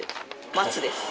松です。